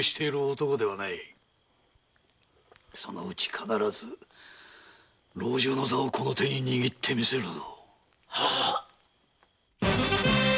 そのうち必ず老中の座をこの手に握ってみせるぞ。